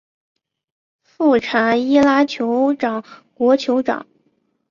富查伊拉酋长国酋长